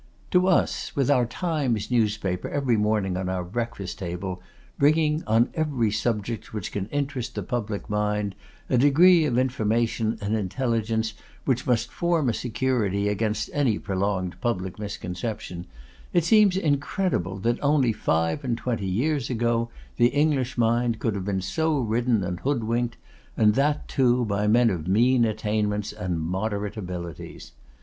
To us, with our Times newspaper every morning on our breakfast table, bringing, on every subject which can interest the public mind, a degree of information and intelligence which must form a security against any prolonged public misconception, it seems incredible that only five and twenty years ago the English mind could have been so ridden and hoodwinked, and that, too, by men of mean attainments and moderate abilities.